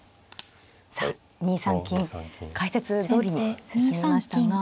さあ２三金解説どおりに進みましたが。